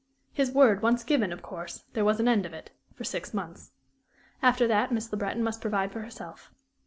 His word once given, of course, there was an end of it for six months. After that, Miss Le Breton must provide for herself.